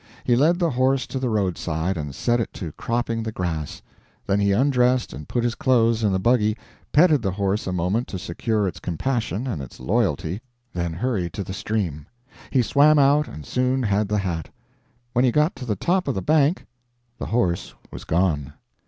He led the horse to the roadside and set it to cropping the grass; then he undressed and put his clothes in the buggy, petted the horse a moment to secure its compassion and its loyalty, then hurried to the stream. He swam out and soon had the hat. When he got to the top of the bank the horse was gone!